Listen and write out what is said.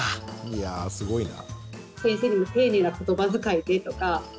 いやすごいな。